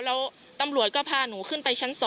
แล้วตำรวจก็พาหนูขึ้นไปชั้น๒